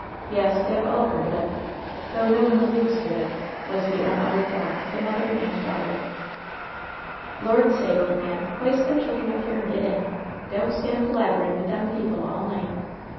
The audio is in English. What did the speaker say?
Yes, they have all heard of it, though no one alludes to it," was the unuttered thought of mother and daughter. "Lord^s sake, ole man, hoist them >»hildren up here and get in 1 Don't stand palavering with them people all night